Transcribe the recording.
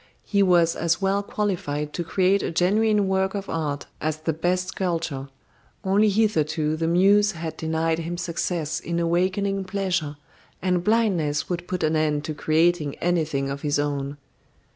He was as well qualified to create a genuine work of art as the best sculptor, only hitherto the Muse had denied him success in awakening pleasure, and blindness would put an end to creating anything of his own.